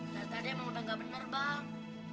tadanya mau tanda benar bang